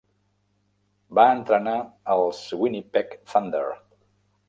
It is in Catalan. Va entrenar els Winnipeg Thunder.